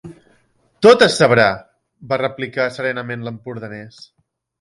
Tot és sabrà…- va replicar serenament l'empordanès.